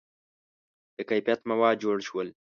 • د کیفیت مواد جوړ شول.